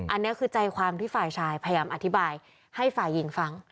อันนี้คือใจความที่ฝ่ายชายพยายามอธิบายให้ฝ่ายหญิงฟัง